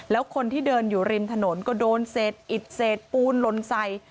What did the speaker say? แล้วคนที่เดินอยู่ริมถนนก็โดนเศษอิดเศษปูนลนใส่